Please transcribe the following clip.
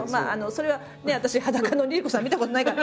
それは私裸のＬｉＬｉＣｏさん見たことないから。